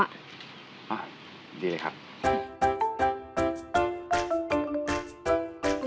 อ้าวดีเลยครับอืม